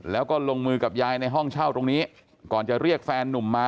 แล้วก็ลงมือกับยายในห้องเช่าตรงนี้ก่อนจะเรียกแฟนนุ่มมา